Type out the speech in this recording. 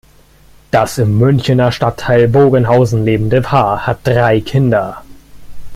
Das im Münchener Stadtteil Bogenhausen lebende Paar hat drei Kinder.